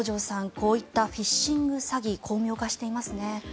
こういったフィッシング詐欺巧妙化していますね。